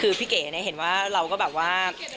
คือพี่เก๋เห็นว่าเราก็แบบว่า